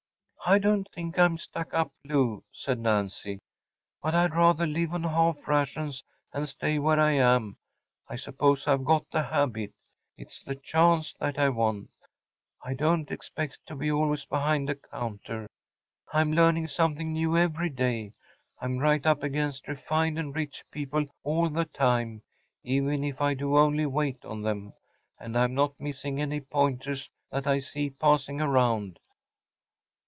‚ÄĚ “I don’t think I’m stuck up, Lou,‚ÄĚ said Nancy, “but I’d rather live on half rations and stay where I am. I suppose I’ve got the habit. It’s the chance that I want. I don’t expect to be always behind a counter. I’m learning something new every day. I’m right up against refined and rich people all the time‚ÄĒeven if I do only wait on them; and I’m not missing any pointers that I see passing around.